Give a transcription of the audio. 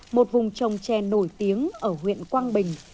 một vùng trồng chè nổi tiếng ở huyện quang bình